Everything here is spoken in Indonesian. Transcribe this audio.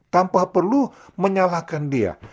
tanpa perlu menyalahkan dia